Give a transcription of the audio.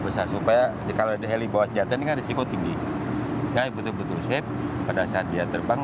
besar supaya kalau di heli bawa senjata ini kan risiko tinggi saya betul betul safe pada saat dia terbang